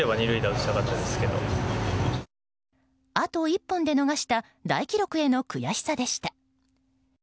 あと１本で逃した大記録へのくやしさでした。